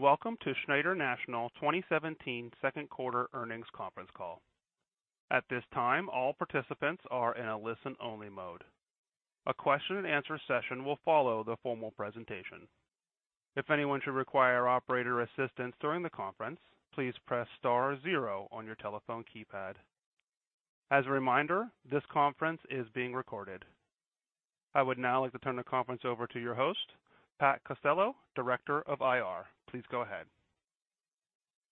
Greetings and welcome to Schneider National 2017 Q2 Earnings Conference Call. At this time, all participants are in a listen-only mode. A question-and-answer session will follow the formal presentation. If anyone should require operator assistance during the conference, please press star zero on your telephone keypad. As a reminder, this conference is being recorded. I would now like to turn the conference over to your host, Pat Costello, Director of IR. Please go ahead.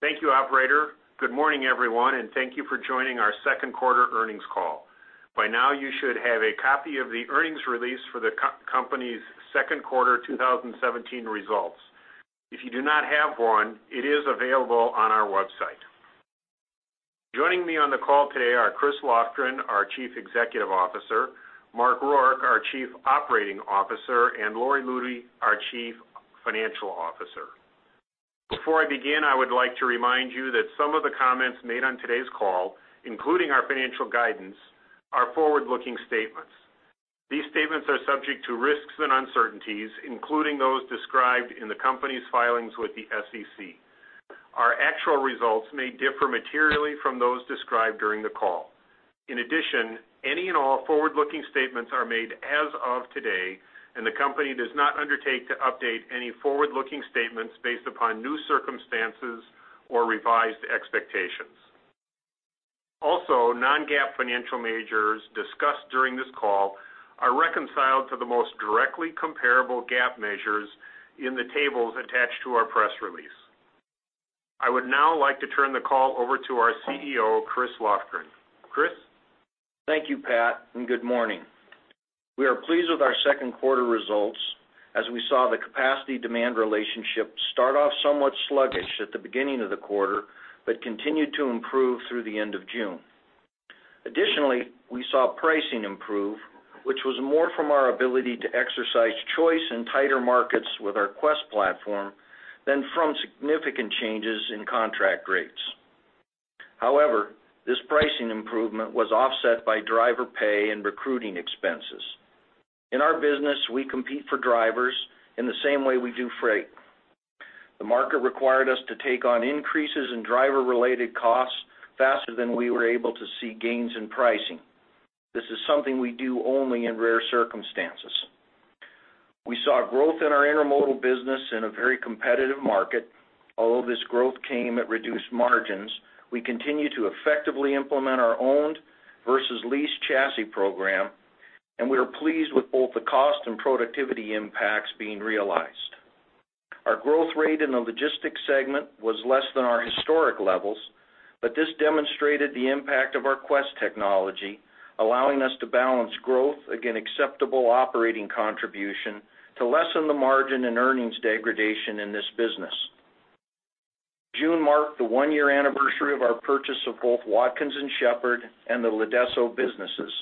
Thank you, operator. Good morning, everyone, and thank you for joining our Q2 Earnings Call. By now, you should have a copy of the earnings release for the company's Q2 2017 results. If you do not have one, it is available on our website. Joining me on the call today are Chris Lofgren, our Chief Executive Officer, Mark Rourke, our Chief Operating Officer, and Lori Lutey, our Chief Financial Officer. Before I begin, I would like to remind you that some of the comments made on today's call, including our financial guidance, are forward-looking statements. These statements are subject to risks and uncertainties, including those described in the company's filings with the SEC. Our actual results may differ materially from those described during the call. In addition, any and all forward-looking statements are made as of today, and the company does not undertake to update any forward-looking statements based upon new circumstances or revised expectations. Also, non-GAAP financial measures discussed during this call are reconciled to the most directly comparable GAAP measures in the tables attached to our press release. I would now like to turn the call over to our CEO, Chris Lofgren. Chris? Thank you, Pat, and good morning. We are pleased with our Q2 results as we saw the capacity-demand relationship start off somewhat sluggish at the beginning of the quarter but continue to improve through the end of June. Additionally, we saw pricing improve, which was more from our ability to exercise choice in tighter markets with our Quest platform than from significant changes in contract rates. However, this pricing improvement was offset by driver pay and recruiting expenses. In our business, we compete for drivers in the same way we do freight. The market required us to take on increases in driver-related costs faster than we were able to see gains in pricing. This is something we do only in rare circumstances. We saw growth in our intermodal business in a very competitive market. Although this growth came at reduced margins, we continue to effectively implement our owned versus leased chassis program, and we are pleased with both the cost and productivity impacts being realized. Our growth rate in the Logistics segment was less than our historic levels, but this demonstrated the impact of our Quest technology, allowing us to balance growth against acceptable operating contribution to lessen the margin and earnings degradation in this business. June marked the one-year anniversary of our purchase of both Watkins & Shepard and the Lodeso businesses.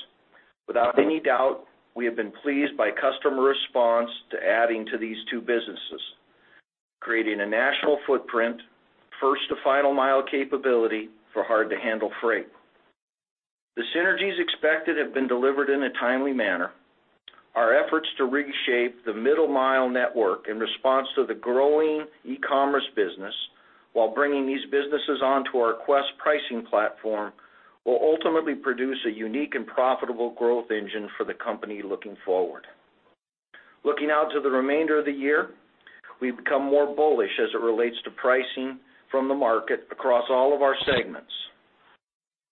Without any doubt, we have been pleased by customer response to adding to these two businesses, creating a national footprint, first-to-final-mile capability for hard-to-handle freight. The synergies expected have been delivered in a timely manner. Our efforts to reshape the middle-mile network in response to the growing e-commerce business while bringing these businesses onto our Quest pricing platform will ultimately produce a unique and profitable growth engine for the company looking forward. Looking out to the remainder of the year, we've become more bullish as it relates to pricing from the market across all of our segments.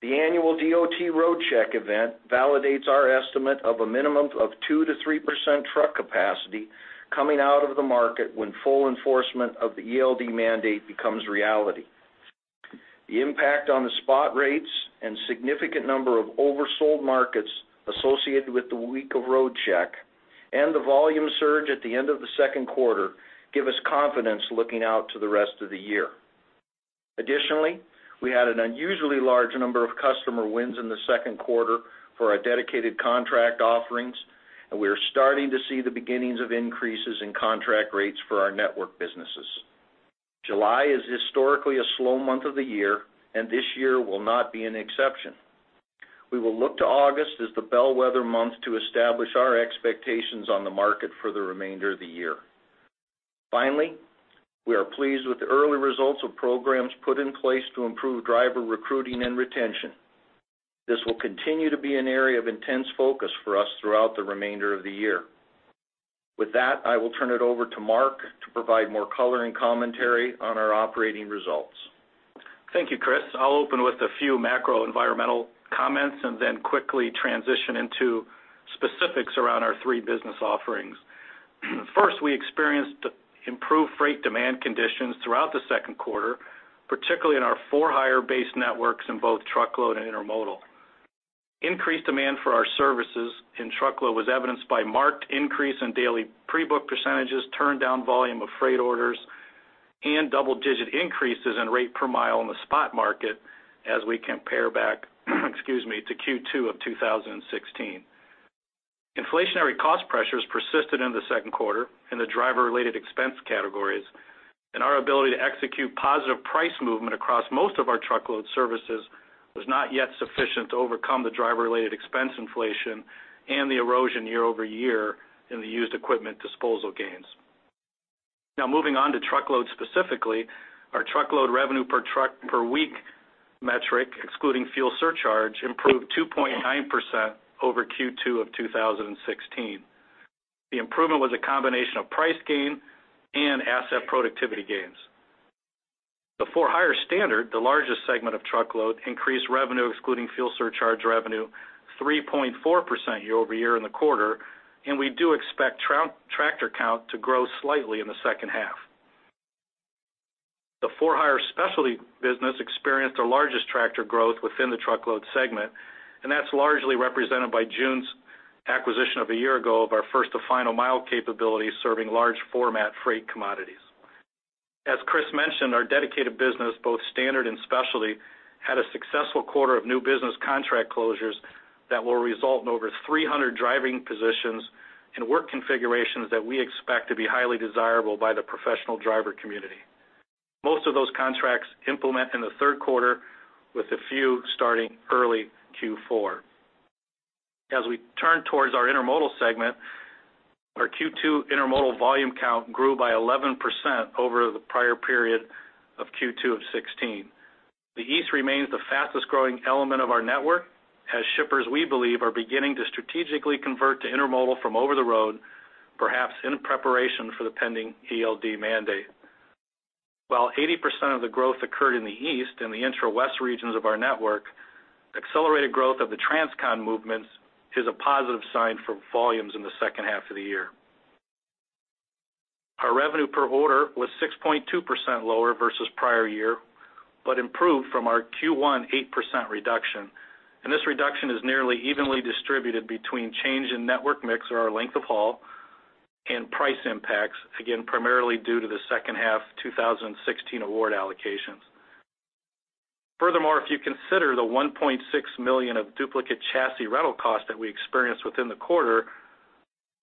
The annual DOT Roadcheck event validates our estimate of a minimum of 2%-3% truck capacity coming out of the market when full enforcement of the ELD mandate becomes reality. The impact on the spot rates and significant number of oversold markets associated with the week of Roadcheck and the volume surge at the end of the Q2 give us confidence looking out to the rest of the year. Additionally, we had an unusually large number of customer wins in the Q2 for our dedicated contract offerings, and we are starting to see the beginnings of increases in contract rates for our network businesses. July is historically a slow month of the year, and this year will not be an exception. We will look to August as the bellwether month to establish our expectations on the market for the remainder of the year. Finally, we are pleased with the early results of programs put in place to improve driver recruiting and retention. This will continue to be an area of intense focus for us throughout the remainder of the year. With that, I will turn it over to Mark to provide more color and commentary on our operating results. Thank you, Chris. I'll open with a few macro-environmental comments and then quickly transition into specifics around our three business offerings. First, we experienced improved freight demand conditions throughout the Q2, particularly in our for-hire-based networks in both truckload and intermodal. Increased demand for our services in truckload was evidenced by marked increase in daily pre-book percentages, turndown volume of freight orders, and double-digit increases in rate per mile in the spot market as we compare back to Q2 of 2016. Inflationary cost pressures persisted in the Q2 in the driver-related expense categories, and our ability to execute positive price movement across most of our truckload services was not yet sufficient to overcome the driver-related expense inflation and the erosion year-over-year in the used equipment disposal gains. Now, moving on to truckload specifically, our truckload revenue per week metric, excluding fuel surcharge, improved 2.9% over Q2 of 2016. The improvement was a combination of price gain and asset productivity gains. The for-hire standard, the largest segment of truckload, increased revenue excluding fuel surcharge revenue 3.4% year-over-year in the quarter, and we do expect tractor count to grow slightly in the second half. The for-hire specialty business experienced the largest tractor growth within the truckload segment, and that's largely represented by June's acquisition a year ago of our first-to-final-mile capability serving large-format freight commodities. As Chris mentioned, our dedicated business, both standard and specialty, had a successful quarter of new business contract closures that will result in over 300 driving positions and work configurations that we expect to be highly desirable by the professional driver community. Most of those contracts implement in the Q3, with a few starting early Q4. As we turn towards our Intermodal segment, our Q2 Intermodal volume count grew by 11% over the prior period of Q2 2016. The East remains the fastest-growing element of our network as shippers, we believe, are beginning to strategically convert to Intermodal from over-the-road, perhaps in preparation for the pending ELD mandate. While 80% of the growth occurred in the East and the intra-West regions of our network, accelerated growth of the Transcon movements is a positive sign for volumes in the second half of the year. Our revenue per order was 6.2% lower versus prior year but improved from our Q1 8% reduction, and this reduction is nearly evenly distributed between change in network mix or our length of haul and price impacts, again primarily due to the second half 2016 award allocations. Furthermore, if you consider the $1.6 million of duplicate chassis rental costs that we experienced within the quarter,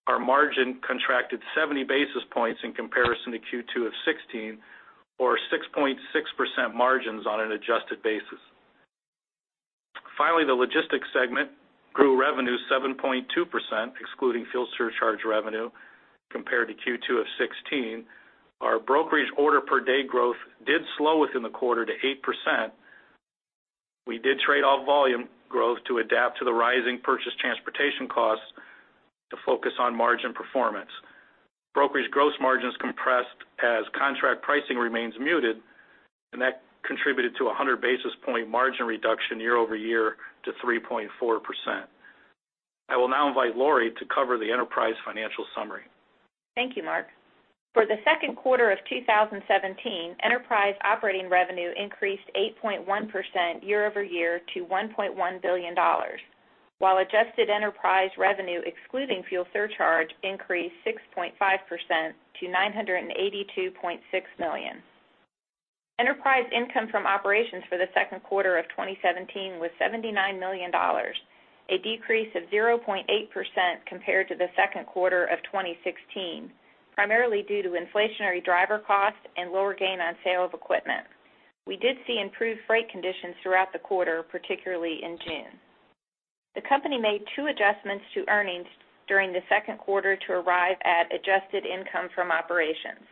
our margin contracted 70 basis points in comparison to Q2 of 2016, or 6.6% margins on an adjusted basis. Finally, the logistics segment grew revenue 7.2% excluding fuel surcharge revenue compared to Q2 of 2016. Our brokerage order-per-day growth did slow within the quarter to 8%. We did trade-off volume growth to adapt to the rising purchase transportation costs to focus on margin performance. Brokerage gross margins compressed as contract pricing remains muted, and that contributed to a 100 basis point margin reduction year-over-year to 3.4%. I will now invite Lori to cover the enterprise financial summary. Thank you, Mark. For the Q2 of 2017, enterprise operating revenue increased 8.1% year-over-year to $1.1 billion, while adjusted enterprise revenue excluding fuel surcharge increased 6.5% to $982.6 million. Enterprise income from operations for the Q2 of 2017 was $79 million, a decrease of 0.8% compared to the Q2 2016, primarily due to inflationary driver costs and lower gain on sale of equipment. We did see improved freight conditions throughout the quarter, particularly in June. The company made two adjustments to earnings during the Q2 to arrive at adjusted income from operations.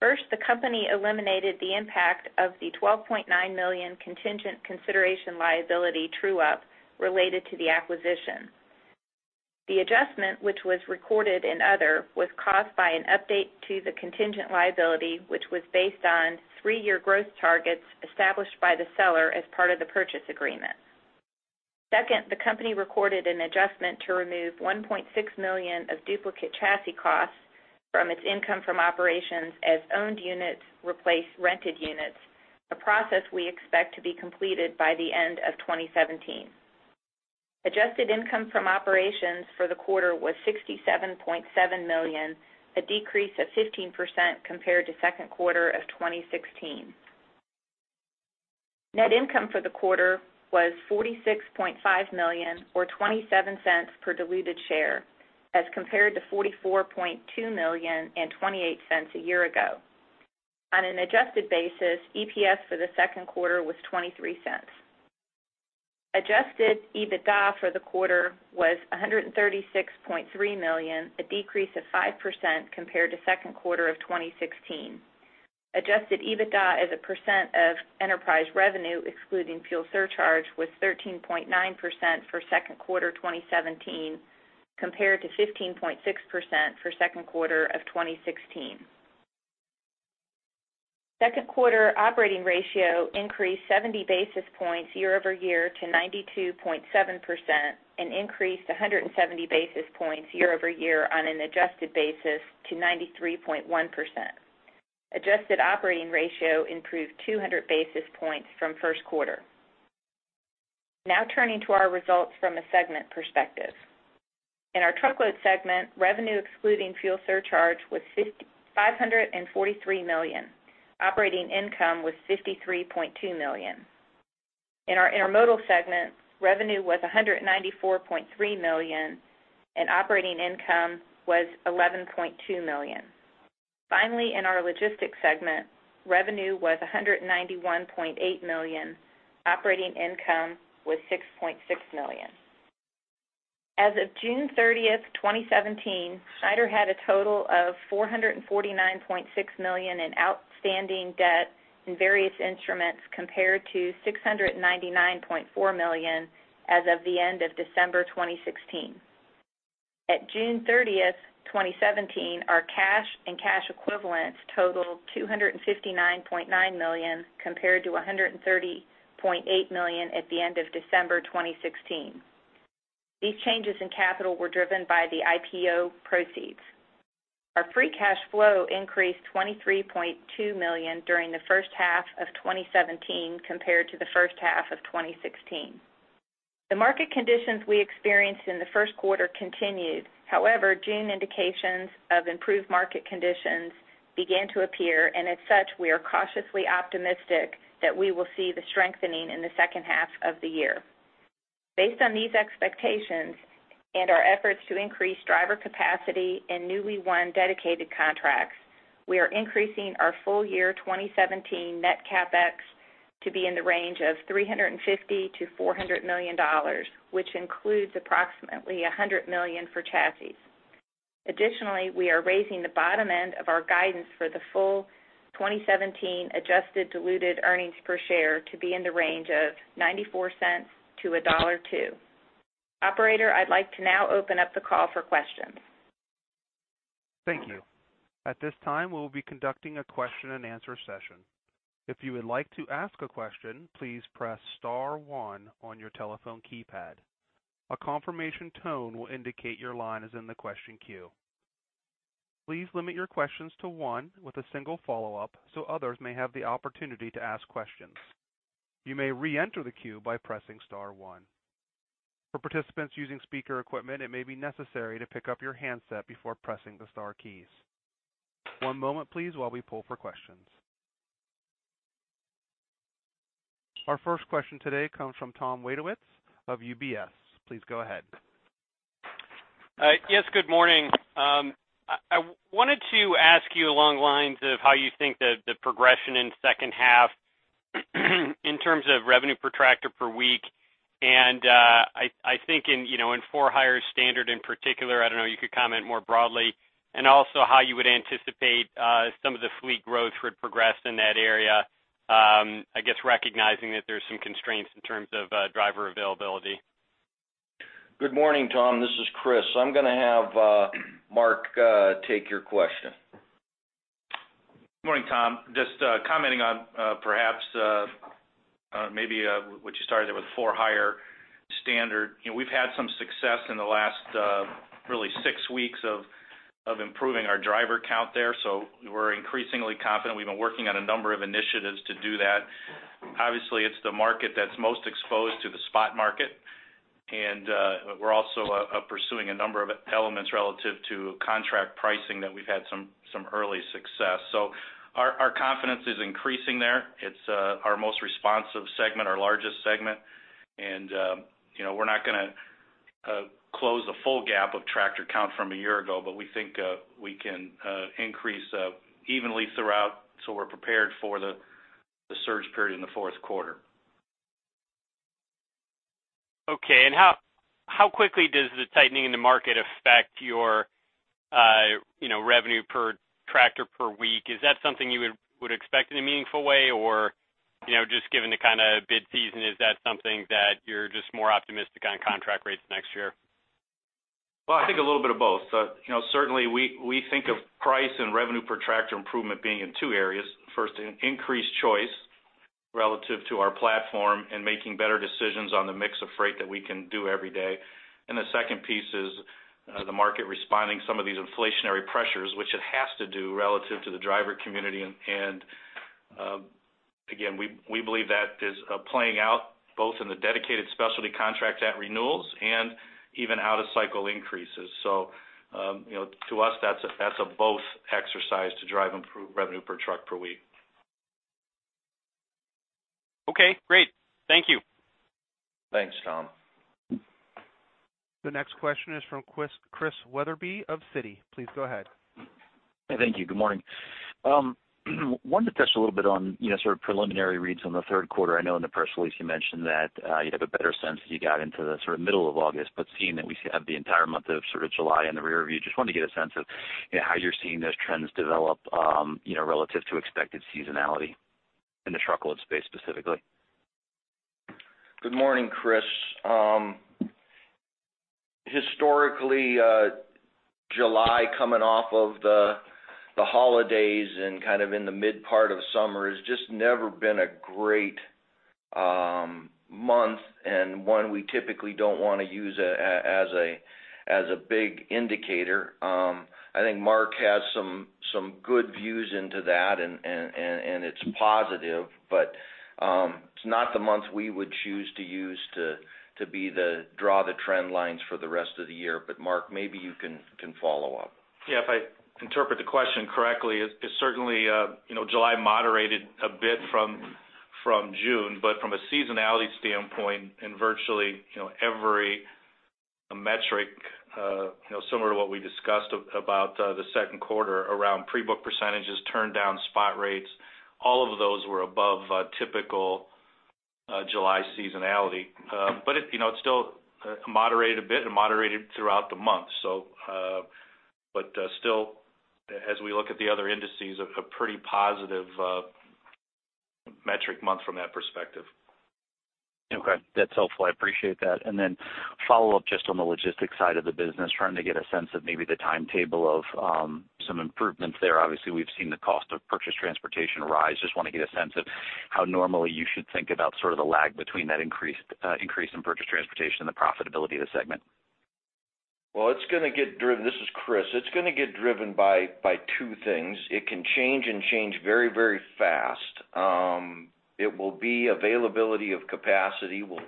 First, the company eliminated the impact of the $12.9 million contingent consideration liability true-up related to the acquisition. The adjustment, which was recorded in other, was caused by an update to the contingent liability, which was based on three-year gross targets established by the seller as part of the purchase agreement. Second, the company recorded an adjustment to remove $1.6 million of duplicate chassis costs from its income from operations as owned units replace rented units, a process we expect to be completed by the end of 2017. Adjusted income from operations for the quarter was $67.7 million, a decrease of 15% compared to Q2 of 2016. Net income for the quarter was $46.5 million, or $0.27 per diluted share, as compared to $44.2 million and $0.28 a year ago. On an adjusted basis, EPS for the Q2 was $0.23. Adjusted EBITDA for the quarter was $136.3 million, a decrease of 5% compared to Q2 of 2016. Adjusted EBITDA as a % of enterprise revenue excluding fuel surcharge was 13.9% for Q2 2017 compared to 15.6% for Q2 2016. Q2 operating ratio increased 70 basis points year-over-year to 92.7% and increased 170 basis points year-over-year on an adjusted basis to 93.1%. Adjusted operating ratio improved 200 basis points from Q1. Now turning to our results from a segment perspective. In our Truckload segment, revenue excluding fuel surcharge was $543 million. Operating income was $53.2 million. In our intermodal segment, revenue was $194.3 million, and operating income was $11.2 million. Finally, in our Logistics segment, revenue was $191.8 million. Operating income was $6.6 million. As of 30 June, 2017, Schneider had a total of $449.6 million in outstanding debt in various instruments compared to $699.4 million as of the end of December 2016. At 30June, 2017, our cash and cash equivalents totaled $259.9 million compared to $130.8 million at the end of December 2016. These changes in capital were driven by the IPO proceeds. Our free cash flow increased $23.2 million during the H1 2017 compared to the H1 2016. The market conditions we experienced in the Q1 continued. However, June indications of improved market conditions began to appear, and as such, we are cautiously optimistic that we will see the strengthening in the second half of the year. Based on these expectations and our efforts to increase driver capacity in newly won dedicated contracts, we are increasing our full-year 2017 net CapEx to be in the range of $350 million-$400 million, which includes approximately $100 million for charities. Additionally, we are raising the bottom end of our guidance for the full 2017 adjusted diluted earnings per share to be in the range of $0.94-$1.02. Operator, I'd like to now open up the call for questions. Thank you. At this time, we will be conducting a question-and-answer session. If you would like to ask a question, please press star one on your telephone keypad. A confirmation tone will indicate your line is in the question queue. Please limit your questions to one with a single follow-up so others may have the opportunity to ask questions. You may re-enter the queue by pressing star one. For participants using speaker equipment, it may be necessary to pick up your handset before pressing the star keys. One moment, please, while we pull for questions. Our first question today comes from Tom Wadewitz of UBS. Please go ahead. Yes, good morning. I wanted to ask you along the lines of how you think the progression in second half in terms of revenue per tractor per week. And I think in for-hire standard in particular, I don't know, you could comment more broadly, and also how you would anticipate some of the fleet growth would progress in that area, I guess recognizing that there's some constraints in terms of driver availability. Good morning, Tom. This is Chris. I'm going to have Mark take your question. Good morning, Tom. Just commenting on perhaps maybe what you started there with for-hire standard. We've had some success in the last really 6 weeks of improving our driver count there, so we're increasingly confident. We've been working on a number of initiatives to do that. Obviously, it's the market that's most exposed to the spot market, and we're also pursuing a number of elements relative to contract pricing that we've had some early success. So our confidence is increasing there. It's our most responsive segment, our largest segment. And we're not going to close a full gap of tractor count from a year ago, but we think we can increase evenly throughout so we're prepared for the surge period in the Q4. Okay. And how quickly does the tightening in the market affect your revenue per tractor per week? Is that something you would expect in a meaningful way, or just given the kind of bid season, is that something that you're just more optimistic on contract rates next year? Well, I think a little bit of both. Certainly, we think of price and revenue per tractor improvement being in two areas. First, increased choice relative to our platform and making better decisions on the mix of freight that we can do every day. And the second piece is the market responding to some of these inflationary pressures, which it has to do relative to the driver community. And again, we believe that is playing out both in the dedicated specialty contract at renewals and even out-of-cycle increases. So to us, that's a both exercise to drive improved revenue per truck per week. Okay. Great. Thank you. Thanks, Tom. The next question is from Christian Wetherbee of Citi. Please go ahead. Hey, thank you. Good morning. I wanted to touch a little bit on sort of preliminary reads on the Q3. I know in the press release, you mentioned that you'd have a better sense if you got into the sort of middle of August. But seeing that we have the entire month of sort of July in the rearview, just wanted to get a sense of how you're seeing those trends develop relative to expected seasonality in the truckload space specifically. Good morning, Chris. Historically, July coming off of the holidays and kind of in the mid-part of summer has just never been a great month and one we typically don't want to use as a big indicator. I think Mark has some good views into that, and it's positive, but it's not the month we would choose to use to draw the trend lines for the rest of the year. But Mark, maybe you can follow up. Yeah, if I interpret the question correctly, it's certainly July moderated a bit from June. But from a seasonality standpoint, and virtually every metric similar to what we discussed about the Q2 around pre-book percentages, turned down spot rates, all of those were above typical July seasonality. But it's still moderated a bit and moderated throughout the month, so. But still, as we look at the other indices, a pretty positive metric month from that perspective. Okay. That's helpful. I appreciate that. Then follow-up just on the logistics side of the business, trying to get a sense of maybe the timetable of some improvements there. Obviously, we've seen the cost of purchased transportation rise. Just want to get a sense of how normally you should think about sort of the lag between that increase in purchased transportation and the profitability of the segment. Well, it's going to get driven. This is Chris. It's going to get driven by two things. It can change and change very, very fast. It will be availability of capacity will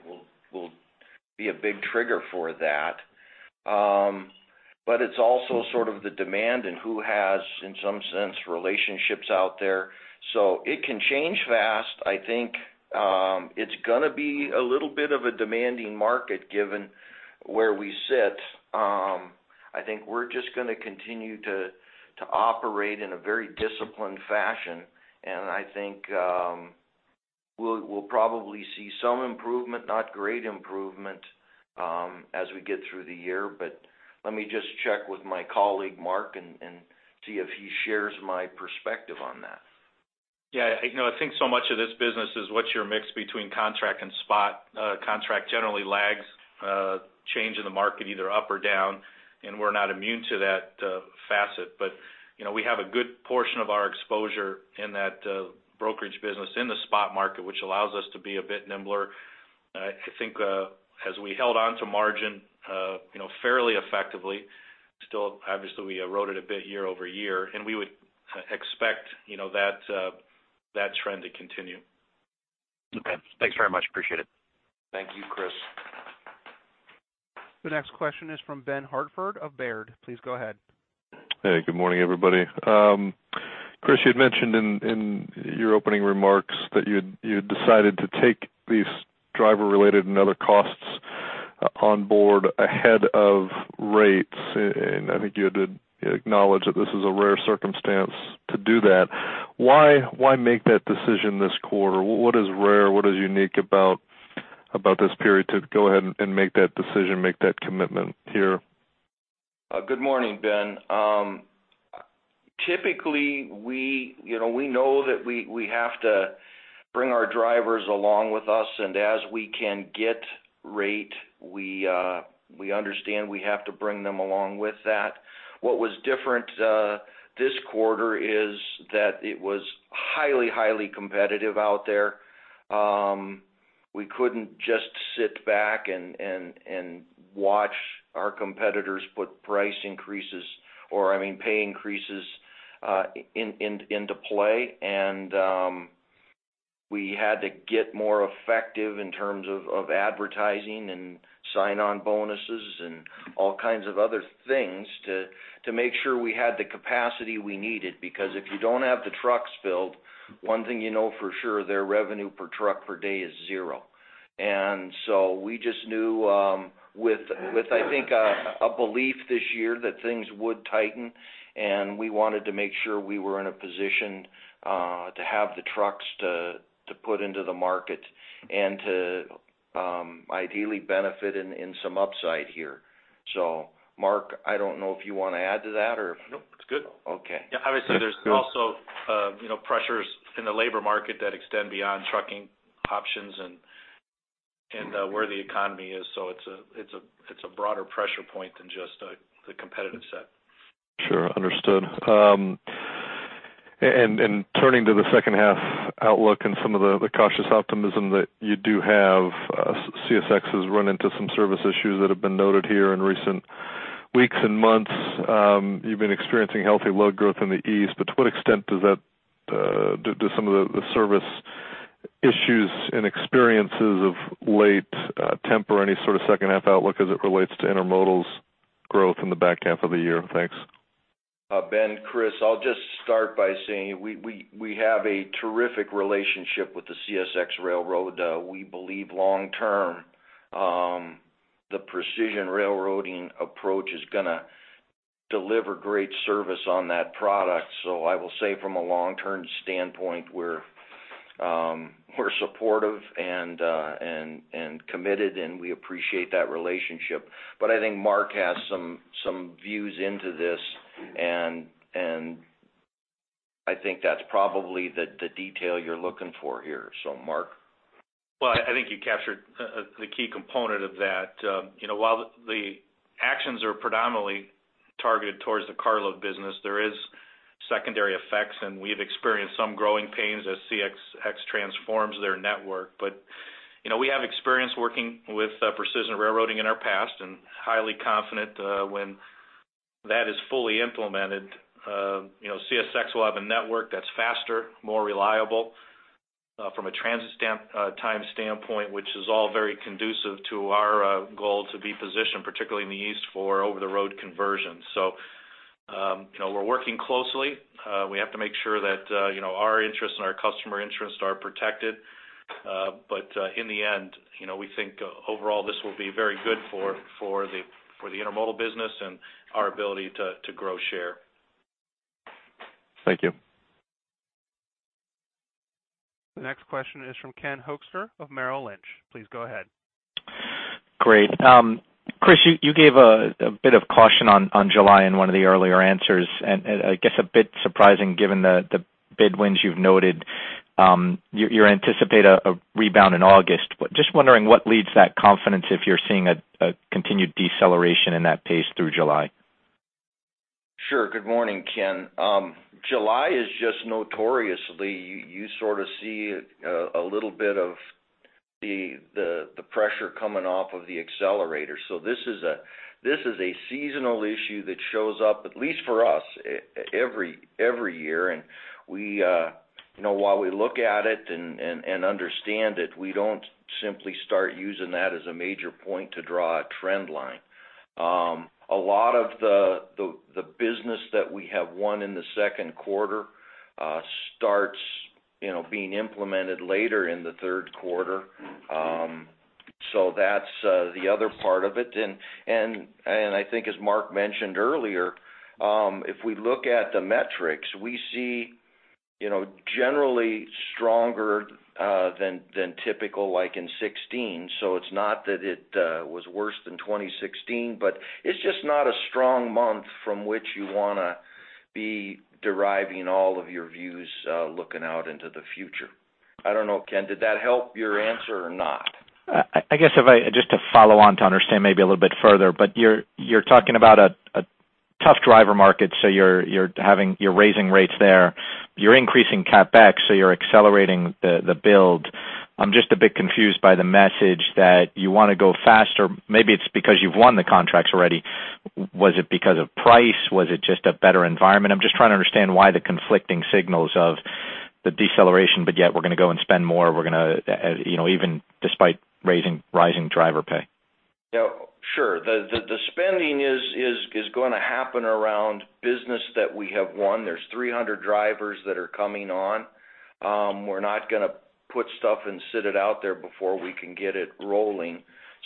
be a big trigger for that. But it's also sort of the demand and who has, in some sense, relationships out there. So it can change fast. I think it's going to be a little bit of a demanding market given where we sit. I think we're just going to continue to operate in a very disciplined fashion, and I think we'll probably see some improvement, not great improvement, as we get through the year. But let me just check with my colleague, Mark, and see if he shares my perspective on that. Yeah. I think so much of this business is what's your mix between contract and spot. Contract generally lags, change in the market either up or down, and we're not immune to that facet. But we have a good portion of our exposure in that brokerage business, in the spot market, which allows us to be a bit nimble. I think as we held onto margin fairly effectively, still, obviously, we eroded a bit year-over-year, and we would expect that trend to continue. Okay. Thanks very much. Appreciate it. Thank you, Chris. The next question is from Ben Hartford of Baird. Please go ahead. Hey, good morning, everybody. Chris, you had mentioned in your opening remarks that you had decided to take these driver-related and other costs on board ahead of rates. I think you had acknowledged that this is a rare circumstance to do that. Why make that decision this quarter? What is rare? What is unique about this period to go ahead and make that decision, make that commitment here? Good morning, Ben. Typically, we know that we have to bring our drivers along with us, and as we can get rate, we understand we have to bring them along with that. What was different this quarter is that it was highly, highly competitive out there. We couldn't just sit back and watch our competitors put price increases or, I mean, pay increases into play. And we had to get more effective in terms of advertising and sign-on bonuses and all kinds of other things to make sure we had the capacity we needed. Because if you don't have the trucks filled, one thing you know for sure, their revenue per truck per day is zero. And so we just knew with, I think, a belief this year that things would tighten, and we wanted to make sure we were in a position to have the trucks to put into the market and to ideally benefit in some upside here. So Mark, I don't know if you want to add to that or if. Nope. It's good. Okay. Yeah. Obviously, there's also pressures in the labor market that extend beyond trucking options and where the economy is. So it's a broader pressure point than just the competitive set. Sure. Understood. Turning to the second-half outlook and some of the cautious optimism that you do have, CSX has run into some service issues that have been noted here in recent weeks and months. You've been experiencing healthy load growth in the east. But to what extent do some of the service issues and experiences of late temper any sort of second-half outlook as it relates to intermodal's growth in the back half of the year? Thanks. Ben, Chris, I'll just start by saying we have a terrific relationship with the CSX railroad. We believe long-term, the Precision railroading approach is going to deliver great service on that product. So I will say from a long-term standpoint, we're supportive and committed, and we appreciate that relationship. But I think Mark has some views into this, and I think that's probably the detail you're looking for here. So Mark. Well, I think you captured the key component of that. While the actions are predominantly targeted towards the carload business, there is secondary effects, and we've experienced some growing pains as CSX transforms their network. But we have experience working with precision railroading in our past and highly confident when that is fully implemented. CSX will have a network that's faster, more reliable from a transit time standpoint, which is all very conducive to our goal to be positioned, particularly in the East, for over-the-road conversion. So we're working closely. We have to make sure that our interests and our customer interests are protected. But in the end, we think overall, this will be very good for the intermodal business and our ability to grow share. Thank you. The next question is from Ken Hoexter of Merrill Lynch. Please go ahead. Great. Chris, you gave a bit of caution on July in one of the earlier answers, and I guess a bit surprising given the bid wins you've noted. You anticipate a rebound in August. Just wondering what leads that confidence if you're seeing a continued deceleration in that pace through July? Sure. Good morning, Ken. July is just notoriously you sort of see a little bit of the pressure coming off of the accelerator. So this is a seasonal issue that shows up, at least for us, every year. And while we look at it and understand it, we don't simply start using that as a major point to draw a trend line. A lot of the business that we have won in the Q2 starts being implemented later in the Q3. So that's the other part of it. And I think, as Mark mentioned earlier, if we look at the metrics, we see generally stronger than typical, like in 2016. So it's not that it was worse than 2016, but it's just not a strong month from which you want to be deriving all of your views looking out into the future. I don't know, Ken. Did that help your answer or not? I guess just to follow on to understand maybe a little bit further, but you're talking about a tough driver market, so you're raising rates there. You're increasing CapEx, so you're accelerating the build. I'm just a bit confused by the message that you want to go faster. Maybe it's because you've won the contracts already. Was it because of price? Was it just a better environment? I'm just trying to understand why the conflicting signals of the deceleration, but yet we're going to go and spend more, even despite rising driver pay. Yeah. Sure. The spending is going to happen around business that we have won. There's 300 drivers that are coming on. We're not going to put stuff and sit it out there before we can get it rolling.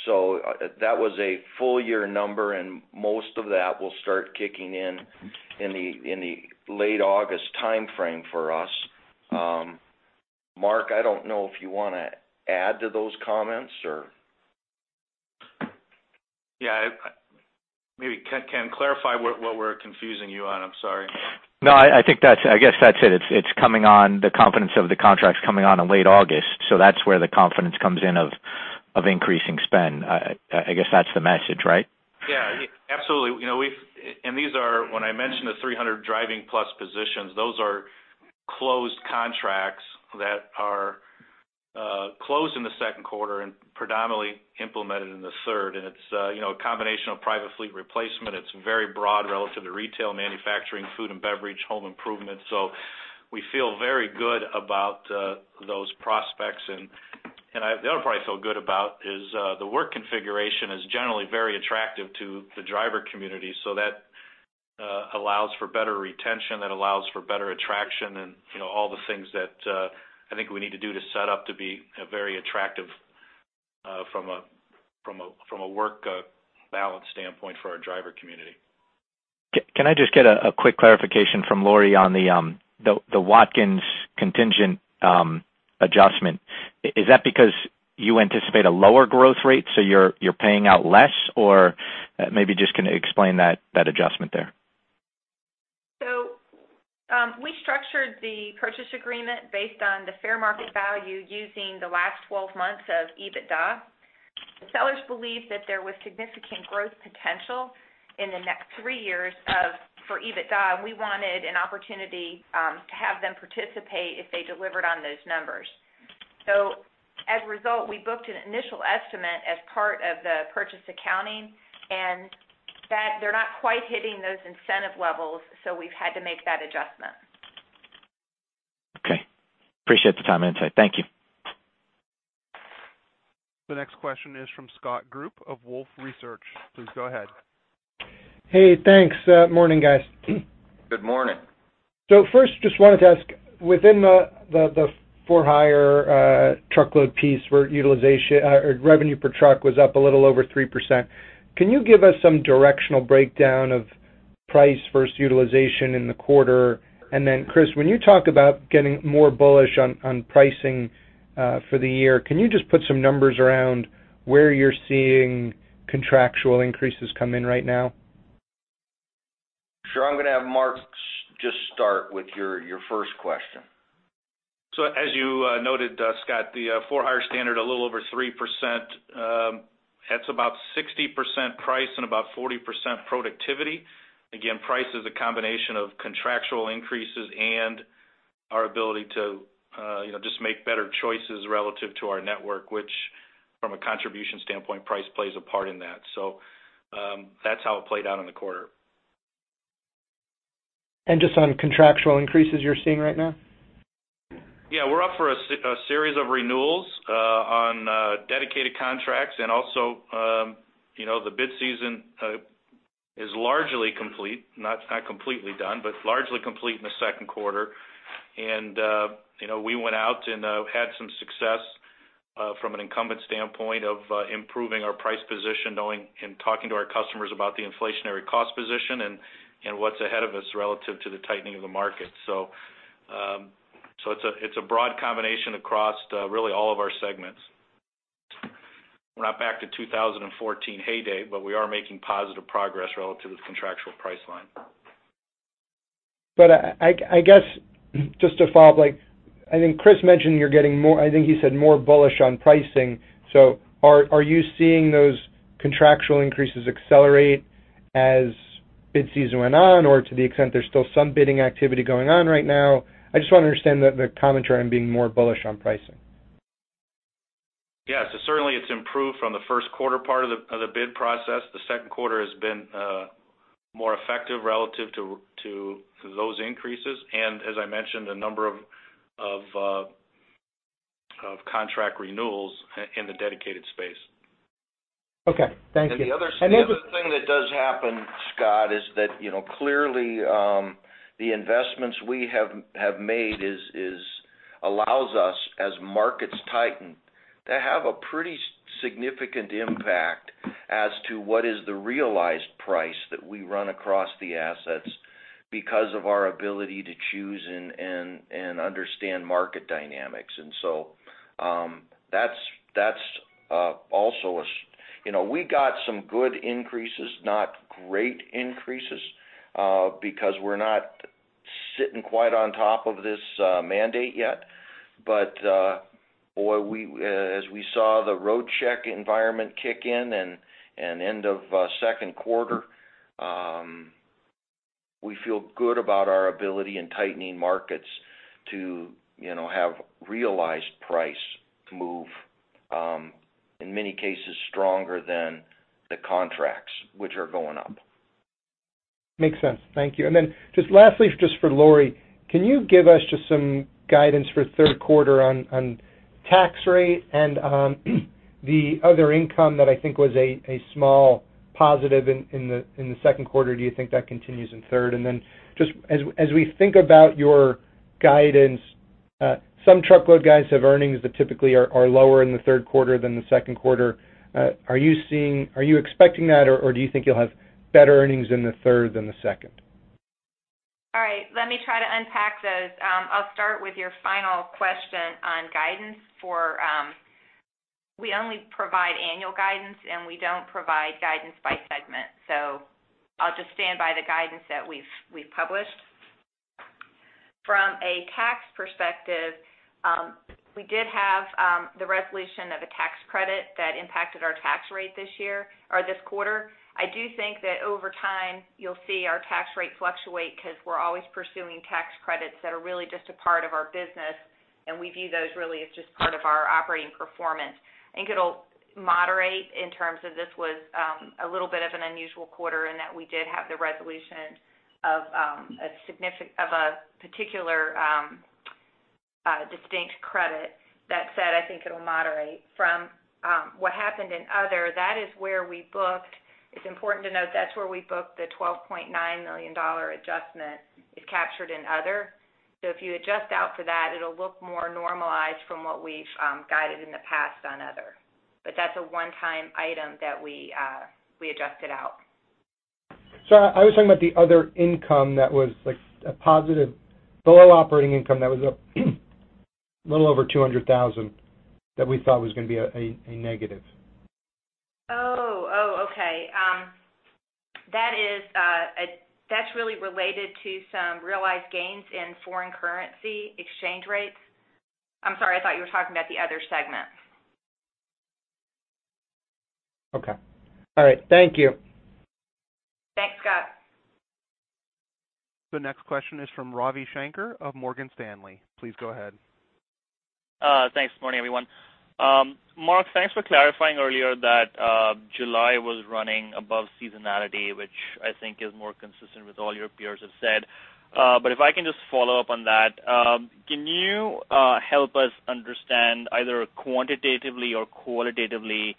So that was a full-year number, and most of that will start kicking in in the late August timeframe for us. Mark, I don't know if you want to add to those comments or. Yeah. Maybe, Ken, clarify what we're confusing you on. I'm sorry. No, I guess that's it. It's coming on the confidence of the contracts coming on in late August. So that's where the confidence comes in of increasing spend. I guess that's the message, right? Yeah. Absolutely. And when I mentioned the 300 driving-plus positions, those are closed contracts that are closed in the Q2 and predominantly implemented in the third. And it's a combination of private fleet replacement. It's very broad relative to retail, manufacturing, food and beverage, home improvement. So we feel very good about those prospects. And the other part I feel good about is the work configuration is generally very attractive to the driver community. So that allows for better retention. That allows for better attraction and all the things that I think we need to do to set up to be very attractive from a work balance standpoint for our driver community. Can I just get a quick clarification from Lori on the Watkins contingent adjustment? Is that because you anticipate a lower growth rate, so you're paying out less, or maybe just can explain that adjustment there? We structured the purchase agreement based on the fair market value using the last 12 months of EBITDA. The sellers believed that there was significant growth potential in the next 3 years for EBITDA, and we wanted an opportunity to have them participate if they delivered on those numbers. So as a result, we booked an initial estimate as part of the purchase accounting, and they're not quite hitting those incentive levels, so we've had to make that adjustment. Okay. Appreciate the time and insight. Thank you. The next question is from Scott Group of Wolfe Research. Please go ahead. Hey. Thanks. Morning, guys. Good morning. First, just wanted to ask, within the for-hire truckload piece, revenue per truck was up a little over 3%. Can you give us some directional breakdown of price versus utilization in the quarter? And then, Chris, when you talk about getting more bullish on pricing for the year, can you just put some numbers around where you're seeing contractual increases come in right now? Sure. I'm going to have Mark just start with your first question. So as you noted, Scott, the for-hire standard, a little over 3%. That's about 60% price and about 40% productivity. Again, price is a combination of contractual increases and our ability to just make better choices relative to our network, which from a contribution standpoint, price plays a part in that. So that's how it played out in the quarter. Just on contractual increases you're seeing right now? Yeah. We're up for a series of renewals on dedicated contracts. Also, the bid season is largely complete, not completely done, but largely complete in the Q2. We went out and had some success from an incumbent standpoint of improving our price position in talking to our customers about the inflationary cost position and what's ahead of us relative to the tightening of the market. It's a broad combination across really all of our segments. We're not back to 2014 heyday, but we are making positive progress relative to the contractual price line. But I guess just to follow up, I think Chris mentioned you're getting more I think he said more bullish on pricing. So are you seeing those contractual increases accelerate as bid season went on or to the extent there's still some bidding activity going on right now? I just want to understand the commentary on being more bullish on pricing. Yeah. So certainly, it's improved from the Q1 part of the bid process. The Q2 has been more effective relative to those increases. And as I mentioned, a number of contract renewals in the dedicated space. Okay. Thank you. And the other thing that does happen, Scott, is that clearly, the investments we have made allow us, as markets tighten, to have a pretty significant impact as to what is the realized price that we run across the assets because of our ability to choose and understand market dynamics. And so that's also a—we got some good increases, not great increases because we're not sitting quite on top of this mandate yet. But as we saw the road check environment kick in and end of Q2, we feel good about our ability in tightening markets to have realized price move, in many cases, stronger than the contracts, which are going up. Makes sense. Thank you. And then just lastly, just for Lori, can you give us just some guidance for Q3 on tax rate and the other income that I think was a small positive in the Q2? Do you think that continues in third? And then just as we think about your guidance, some truckload guys have earnings that typically are lower in the Q3 than the Q2. Are you expecting that, or do you think you'll have better earnings in the third than the second? All right. Let me try to unpack those. I'll start with your final question on guidance. For we only provide annual guidance, and we don't provide guidance by segment. So I'll just stand by the guidance that we've published. From a tax perspective, we did have the resolution of a tax credit that impacted our tax rate this year or this quarter. I do think that over time, you'll see our tax rate fluctuate because we're always pursuing tax credits that are really just a part of our business, and we view those really as just part of our operating performance. I think it'll moderate in terms of this was a little bit of an unusual quarter in that we did have the resolution of a particular distinct credit. That said, I think it'll moderate. From what happened in other, that is where we booked. It's important to note that's where we booked the $12.9 million adjustment is captured in other. So if you adjust out for that, it'll look more normalized from what we've guided in the past on other. But that's a one-time item that we adjusted out. I was talking about the other income that was a positive below operating income that was a little over $200,000 that we thought was going to be a negative. Oh, oh, okay. That's really related to some realized gains in foreign currency exchange rates. I'm sorry. I thought you were talking about the other segment. Okay. All right. Thank you. Thanks, Scott. The next question is from Ravi Shanker of Morgan Stanley. Please go ahead. Thanks. Morning, everyone. Mark, thanks for clarifying earlier that July was running above seasonality, which I think is more consistent with what all your peers have said. But if I can just follow up on that, can you help us understand either quantitatively or qualitatively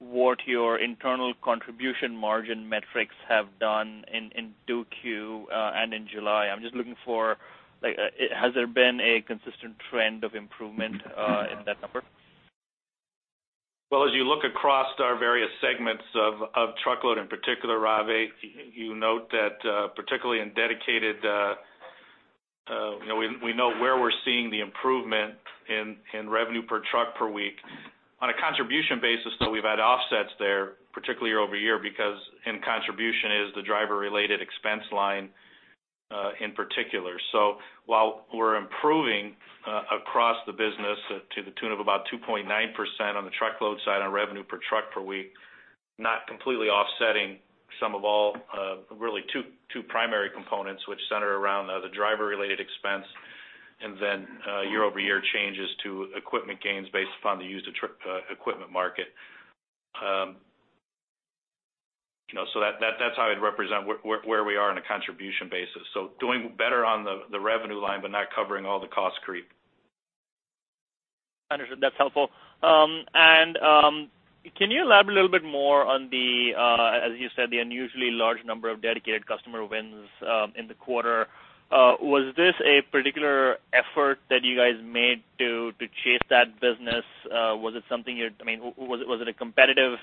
what your internal contribution margin metrics have done in Q2 and in July? I'm just looking for has there been a consistent trend of improvement in that number? Well, as you look across our various segments of truckload, in particular, Ravi, you note that particularly in dedicated we're now seeing the improvement in revenue per truck per week. On a contribution basis, though, we've had offsets there, particularly year-over-year, because in contribution it's the driver-related expense line in particular. So while we're improving across the business to the tune of about 2.9% on the truckload side on revenue per truck per week, not completely offsetting some of all really two primary components, which center around the driver-related expense and then year-over-year changes to equipment gains based upon the used equipment market. So that's how I'd represent where we are on a contribution basis. So doing better on the revenue line but not covering all the cost creep. Understood. That's helpful. And can you elaborate a little bit more on the, as you said, the unusually large number of dedicated customer wins in the quarter? Was this a particular effort that you guys made to chase that business? Was it something you I mean, was it a competitive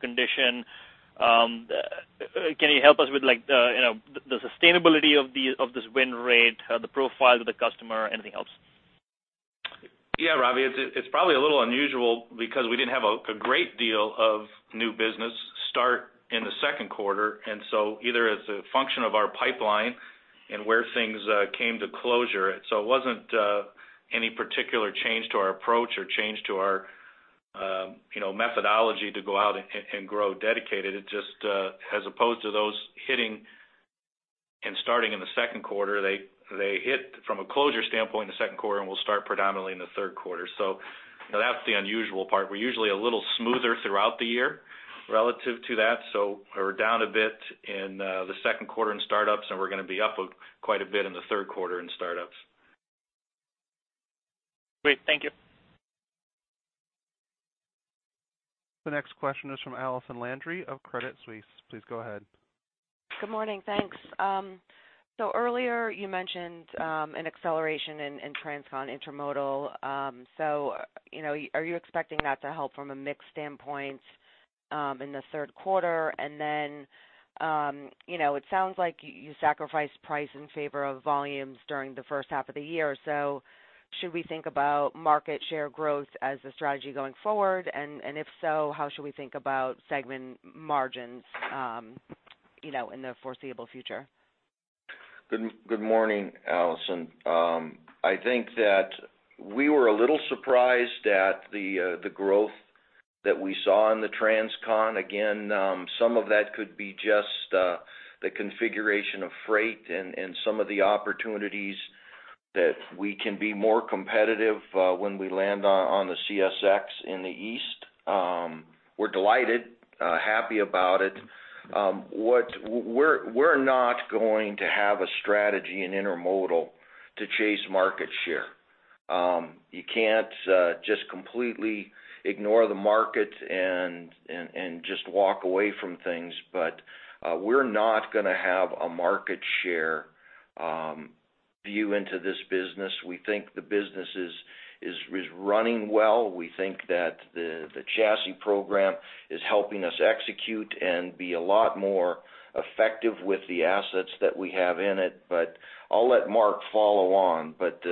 condition? Can you help us with the sustainability of this win rate, the profile of the customer, anything else? Yeah, Ravi. It's probably a little unusual because we didn't have a great deal of new business start in the Q2. So either it's a function of our pipeline and where things came to closure. It wasn't any particular change to our approach or change to our methodology to go out and grow dedicated. As opposed to those hitting and starting in the Q2, they hit from a closure standpoint in the Q2 and will start predominantly in the Q3. So that's the unusual part. We're usually a little smoother throughout the year relative to that. So we're down a bit in the Q2 in startups, and we're going to be up quite a bit in the Q3 in startups. Great. Thank you. The next question is from Allison Landry of Credit Suisse. Please go ahead. Good morning. Thanks. Earlier, you mentioned an acceleration in Transcon Intermodal. Are you expecting that to help from a mix standpoint in the Q3? And then it sounds like you sacrificed price in favor of volumes during the first half of the year. Should we think about market share growth as a strategy going forward? And if so, how should we think about segment margins in the foreseeable future? Good morning, Allison. I think that we were a little surprised at the growth that we saw in the Transcon. Again, some of that could be just the configuration of freight and some of the opportunities that we can be more competitive when we land on the CSX in the east. We're delighted, happy about it. We're not going to have a strategy in Intermodal to chase market share. You can't just completely ignore the market and just walk away from things. But we're not going to have a market share view into this business. We think the business is running well. We think that the chassis program is helping us execute and be a lot more effective with the assets that we have in it. But I'll let Mark follow on. But